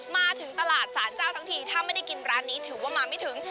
มาถึงตลาดสารเจ้าทั้งทีถ้าไม่ได้กินร้านนี้ถือว่ามาไม่ถึง